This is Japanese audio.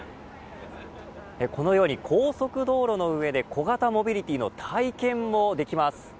このように高速道路の上で小型モビリティの体験もできます。